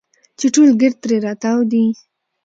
چې ټول ګرد ترې راتاو دي.